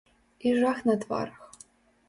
І жах на тварах.